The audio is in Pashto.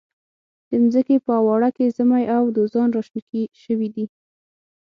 د منځکي په اواړه کې زمۍ او دوزان را شنه شوي دي.